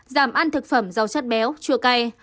giảm ăn thực phẩm giàu chất béo chua cay